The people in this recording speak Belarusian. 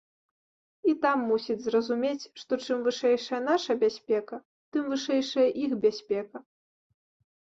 І там мусяць зразумець, што чым вышэйшая наша бяспека, тым вышэйшая іх бяспека.